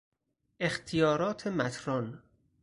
اختیارات مطران